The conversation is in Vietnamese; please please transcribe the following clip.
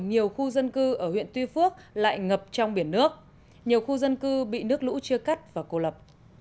nhiều khu dân cư ở huyện tuy phước lại ngập trong biển nước nhiều khu dân cư bị nước lũ chia cắt và cô lập